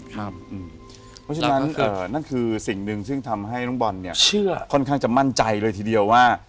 เพราะฉะนั้นนั่นคือสิ่งหนึ่งซึ่งทำให้น้องบอลเนี่ยค่อนข้างจะมั่นใจเลยทีเดียวว่า